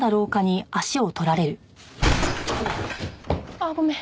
あっごめん。